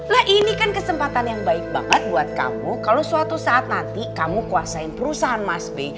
lah ini kan kesempatan yang baik banget buat kamu kalau suatu saat nanti kamu kuasain perusahaan masbe